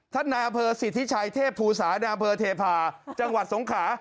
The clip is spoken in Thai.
ท่านนาเภอศิษย์ทิชายเทพภูรสานาเภอเทพาจังหวัดสงขา